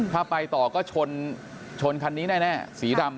ถ้าไปต่อก็ชนชนคันนี้แน่สีดำ